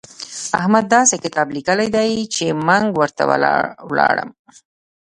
احمد داسې کتاب ليکلی دی چې منګ ورته ولاړم.